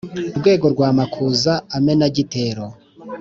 Rwego rw’amakuza amena igitero,